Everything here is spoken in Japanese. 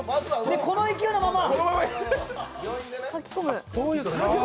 この勢いのまま。